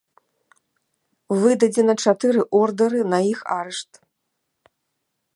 Выдадзена чатыры ордэры на іх арышт.